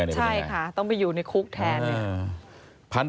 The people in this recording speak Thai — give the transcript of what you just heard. ใช่ค่ะต้องไปอยู่ในคุกแทน